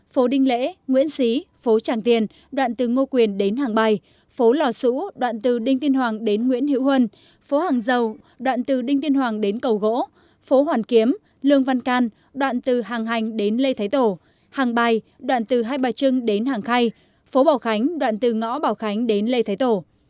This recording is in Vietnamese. phố đinh lễ nguyễn xí phố tràng tiền đoạn từ ngô quyền đến hàng bài phố lò sũ đoạn từ đinh tiên hoàng đến nguyễn hiệu huân phố hàng dầu đoạn từ đinh tiên hoàng đến cầu gỗ phố hoàn kiếm lương văn can đoạn từ hàng hành đến lê thái tổ hàng bài đoạn từ hai bà trưng đến hàng khay phố bảo khánh đoạn từ ngõ bảo khánh đến lê thái tổ